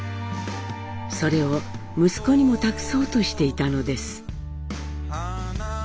それを息子にも託そうとしていたのです。